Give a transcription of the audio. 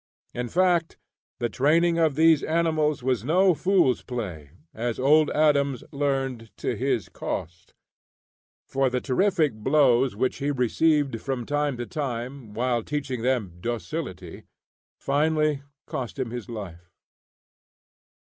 In fact, the training of these animals was no fool's play, as Old Adams learned to his cost; for the terrific blows which he received from time to time, while teaching them "docility," finally cost him his life.